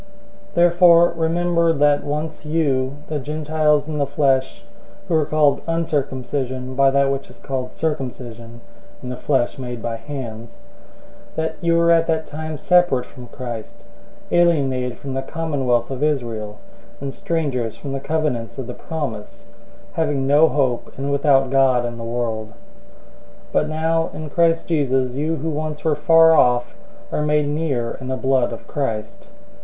002:011 Therefore remember that once you, the Gentiles in the flesh, who are called "uncircumcision" by that which is called "circumcision," (in the flesh, made by hands); 002:012 that you were at that time separate from Christ, alienated from the commonwealth of Israel, and strangers from the covenants of the promise, having no hope and without God in the world. 002:013 But now in Christ Jesus you who once were far off are made near in the blood of Christ.